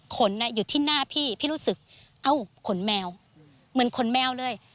ขนอยู่ที่หน้าพี่พี่รู้สึกเอ้าขนแมวเหมือนขนแมวเลย